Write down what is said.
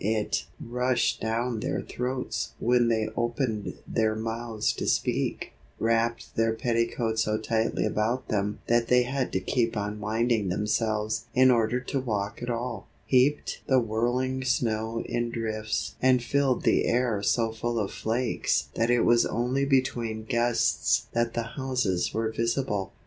It rushed down their throats when they opened their mouths to speak, wrapped their petticoats so tightly about them that they had to keep unwinding themselves in order to walk at all, heaped the whirling snow in drifts and filled the air so full of flakes that it was only between gusts that the houses were visible.